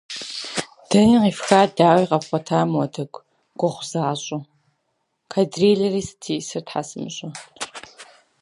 Первая кадриль была уж отдана Вронскому, она должна была отдать этому юноше вторую.